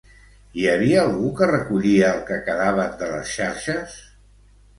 Hi havia algú que recollia el que quedaven de les xarxes?